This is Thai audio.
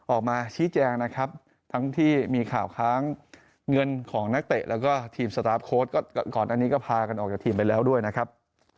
ออกมาชี้แจงนะครับทั้งที่มีข่าวค้างเงินของนักเตะแล้วก็ทีมสตาร์ฟโค้ดก็ก่อนอันนี้ก็พากันออกจากทีมไปแล้วด้วยนะครับ